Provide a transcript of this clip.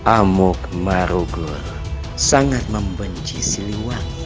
amuk marugul sangat membenci siliwang